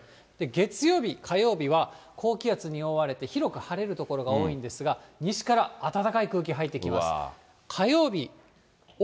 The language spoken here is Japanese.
月曜日、火曜日は、高気圧に覆われて広く晴れる所が多いんですが、西から暖かい空気入ってきます。